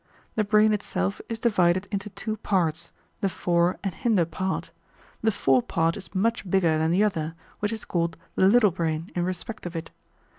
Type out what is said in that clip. The brain itself is divided into two parts, the fore and hinder part; the fore part is much bigger than the other, which is called the little brain in respect of it.